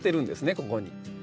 ここに。